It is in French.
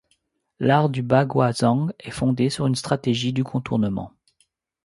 L'art du Ba Gua Zhang est fondé sur une stratégie du contournement.